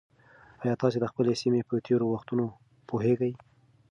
ایا تاسي د خپلې سیمې په تېرو وختونو پوهېږئ؟